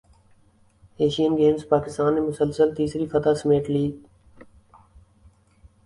Asian Games Pakistan نے مسلسل تیسری فتح سمیٹ لی